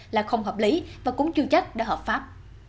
là không hợp lý và cũng chưa chắc đã hợp pháp